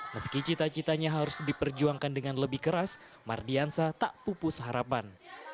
meski cita citanya harus diperjuangkan dengan lebih keras mardiansa tak pupus harapan